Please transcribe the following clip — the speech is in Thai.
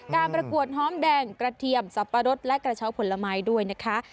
ประกวดหอมแดงกระเทียมสับปะรดและกระเช้าผลไม้ด้วยนะคะ